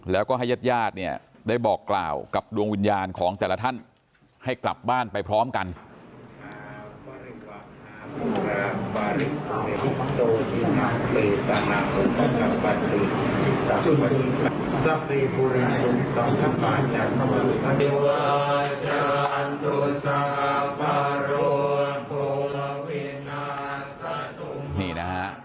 แล้วก็ให้ญาติญาติเนี่ยได้บอกกล่าวกับดวงวิญญาณของแต่ละท่านให้กลับบ้านไปพร้อมกัน